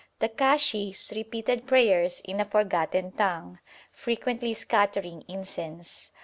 The kashis repeated prayers in a forgotten tongue, frequently scattering incense.